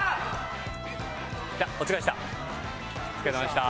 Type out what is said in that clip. お疲れさまでした。